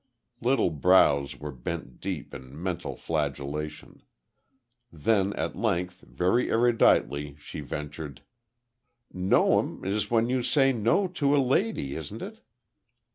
Little brows were bent deep in mental flagellation. Then, at length, very eruditely, she ventured: "No'm is when you say no to a lady, isn't it?"